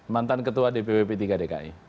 mantan ketua dpp p tiga dki